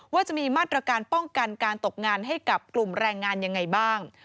ว่าจะมีมาตรการป้องกันการตกงานให้กับกลุ่มแรงงานยังไงบ้าง